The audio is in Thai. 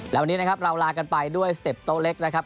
แล้ววันนี้นะครับเราลากันไปด้วยสเต็ปโต๊ะเล็กนะครับ